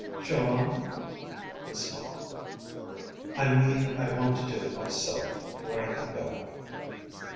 "Jon...." He smiled. "I mean I want to do it myself when I come back."